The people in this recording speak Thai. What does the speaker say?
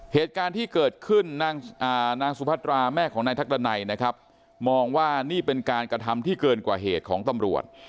เหตุการณ์ที่เกิดขึ้นนางสุพัตราแม่ของนายทักดันัยนะครับมองว่านี่เป็นการกระทำที่เกินกว่าเหตุของตำรวจ